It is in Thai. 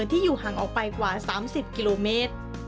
ที่อยู่ห่างออกไปกว่า๓๐กิโลเมตร